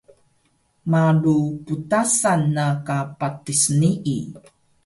malu pntasan na ka patis nii